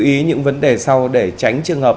ý những vấn đề sau để tránh trường hợp